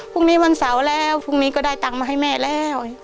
พรุ่งนี้วันเสาร์แล้วพรุ่งนี้ก็ได้ตังค์มาให้แม่แล้ว